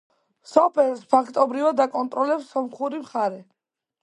სოფელს ფაქტობრივად აკონტროლებს სომხური მხარე.